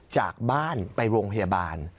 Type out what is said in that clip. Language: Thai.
จากบ้านไปโรงพยาบาล